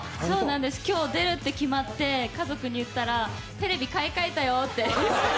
今日出るって決まって家族に言ったらテレビ買い替えたよって。